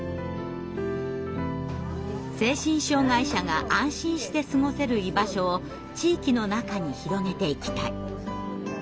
精神障害者が安心して過ごせる居場所を地域の中に広げていきたい。